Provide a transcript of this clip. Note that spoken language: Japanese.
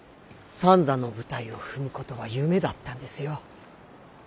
三座の舞台を踏むことは夢だったんですよ。